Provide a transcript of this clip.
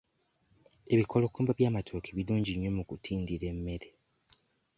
Ebikolokomba by'amatooke birungi nnyo mu kutindira emmere.